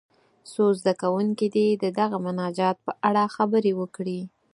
څو زده کوونکي دې د دغه مناجات په اړه خبرې وکړي.